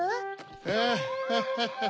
ああハハハ。